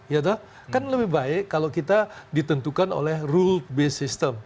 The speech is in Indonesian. ya kan lebih baik kalau kita ditentukan oleh rule based system